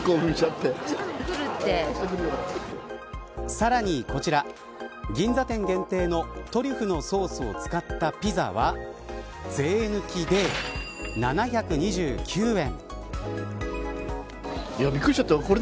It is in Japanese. さらに、こちら銀座店限定のトリュフのソースを使ったピザは税抜きで７２９円。